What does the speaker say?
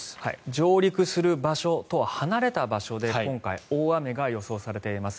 上陸する場所と離れた場所で今回、大雨が予想されています。